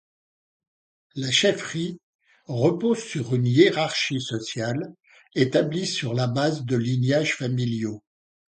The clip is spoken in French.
La chefferie repose sur une hiérarchie sociale établie sur la base de lignages familiaux.